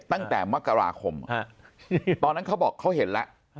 ตั้งแต่มกราคมตอนนั้นเขาบอกเขาเห็นแล้ว